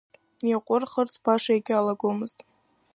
Иаҟәырхырц баша егьалагомызт.